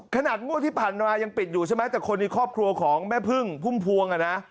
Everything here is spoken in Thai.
ขนาดงวดที่ผ่านมายังปิดอยู่ใช่ไหมแต่คนในครอบครัวของแม่พึ่งพุ่มพวงอ่ะนะ